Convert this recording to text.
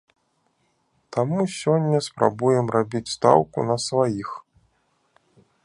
Таму сёння спрабуем рабіць стаўку на сваіх.